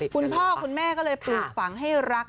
คุณพ่อคุณแม่ก็เลยปลูกฝังให้รัก